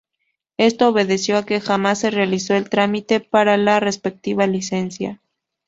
Esto obedeció a que jamás se realizó el trámite para la respectiva licencia.